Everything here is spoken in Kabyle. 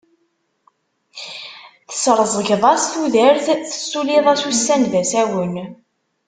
Tesreẓgeḍ-as tudert, tessuliḍ-as ussan d asawen.